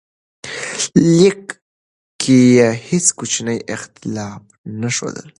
لیک کې یې هیڅ کوچنی اختلاف نه ښودل.